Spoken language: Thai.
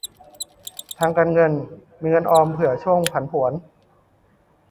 ทางการเงิน : มีเงินออมเผื่อช่วงผันผวน